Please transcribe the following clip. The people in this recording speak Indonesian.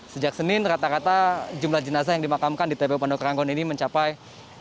sejak senin rata rata jumlah jenazah yang dimakamkan di tpu pondok ranggon ini mencapai dua puluh enam jenazah dalam satu harinya